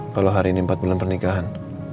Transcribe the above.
kalau hari ini empat bulan pernikahan